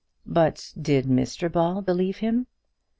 "But did Mr Ball believe him?"